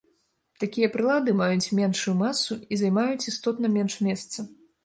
Такія прылады маюць меншую масу і займаюць істотна менш месца.